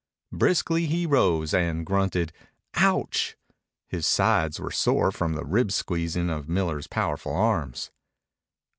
Briskly he rose, and grunted "Ouch!" His sides were sore from the rib squeezing of Miller's powerful arms.